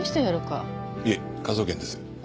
いえ科捜研です。